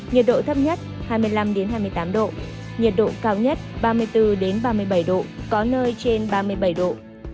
nhiệt độ thấp nhất hai mươi năm hai mươi tám độ nhiệt độ cao nhất ba mươi bốn ba mươi bảy độ có nơi trên ba mươi bảy độ